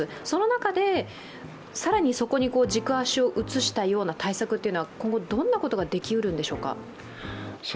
その中で更にそこに軸足を移したような対策は今後、どんなことができうるんでしょうか。